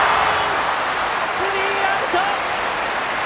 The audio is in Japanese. スリーアウト！